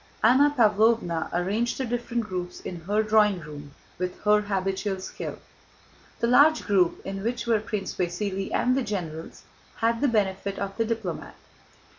Anna Pávlovna arranged the different groups in her drawing room with her habitual skill. The large group, in which were Prince Vasíli and the generals, had the benefit of the diplomat.